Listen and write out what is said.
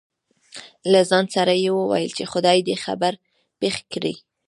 له ځان سره يې وويل :چې خداى دې خېر پېښ کړي.